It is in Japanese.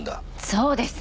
そうです！